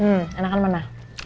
hmm enak kan mana